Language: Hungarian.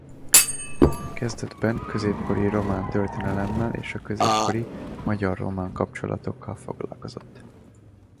Kezdetben középkori román történelemmel és a középkori magyar-román kapcsolatokkal foglalkozott.